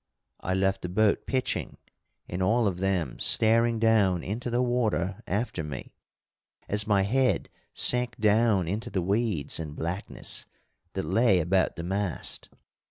I left the boat pitching, and all of them staring down into the water after me, as my head sank down into the weeds and blackness that lay about the mast.